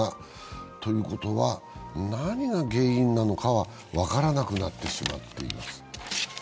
ということは何が原因なのかは分からなくなってしまっています。